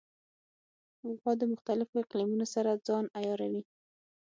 غوا د مختلفو اقلیمونو سره ځان عیاروي.